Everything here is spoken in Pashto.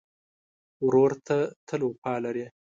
ورور ته تل وفا لرې.